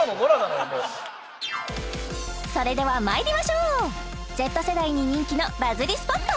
それではまいりましょうＺ世代に人気のバズりスポット